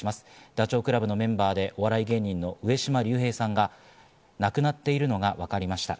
ダチョウ倶楽部のメンバーでお笑い芸人の上島竜兵さんが亡くなっているのが分かりました。